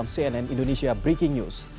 cnn indonesia breaking news